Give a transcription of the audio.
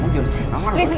kamu jelasin apa lo